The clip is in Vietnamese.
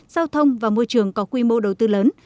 giao thông và môi trường có quy mô đầu tư lớn